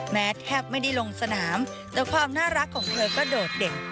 แทบไม่ได้ลงสนามแต่ความน่ารักของเธอก็โดดเด่น